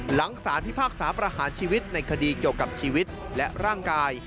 หลังสารพิพากษาประหารชีวิตในคดีเกี่ยวกับชีวิตและร่างกาย